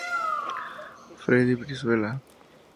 Freddy Brizuela.